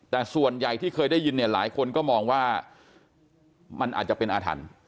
แต่ส่วนใหญ่ที่เคยได้ยินเนี่ยหลายคนก็มองว่ามันอาจจะเป็นอาถรรพ์